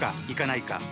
行かないか？